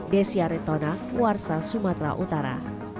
desya retona warsa sumatera utara